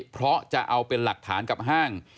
เพราะจะเอาเป็นหลักฐานกับห้าง